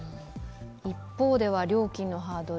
一方では料金のハードル